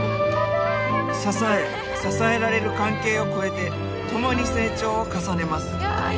支え支えられる関係を超えて共に成長を重ねます。